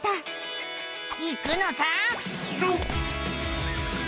はい！